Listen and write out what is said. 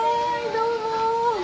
どうも。